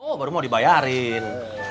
oh baru mau dibayarin